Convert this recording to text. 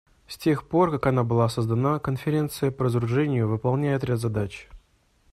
С тех пор как она была создана, Конференция по разоружению выполняет ряд задач.